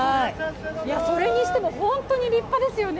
それにしても本当に立派ですよね。